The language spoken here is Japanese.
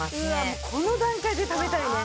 もうこの段階で食べたいね。